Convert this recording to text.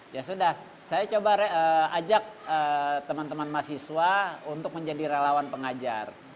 ya sudah saya coba ajak teman teman mahasiswa untuk menjadi relawan pengajar